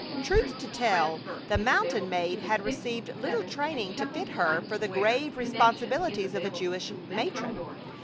Truth to tell, the mountain maid had received little training to fit her for the grave responsibilities of a Jewish matron.